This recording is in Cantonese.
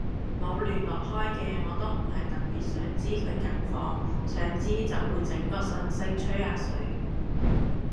冇聯絡開嘅我都唔係特別想知佢近況，想知就會整個訊息吹下水